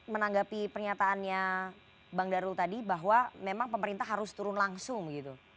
menanggapi pernyataannya bang darul tadi bahwa memang pemerintah harus turun langsung begitu